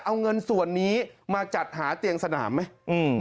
เอาเงินส่วนนี้มาจัดหาเตียงสนามไหม